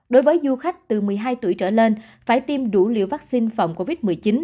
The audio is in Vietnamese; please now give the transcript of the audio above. đối với du khách từ một mươi hai tuổi trở lên phải tiêm đủ liều vaccine phòng covid một mươi chín